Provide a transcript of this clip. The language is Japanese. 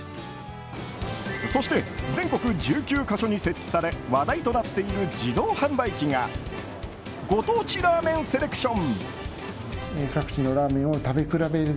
そして、全国１９か所に設置され話題となっている自動販売機がご当地ラーメンセレクション。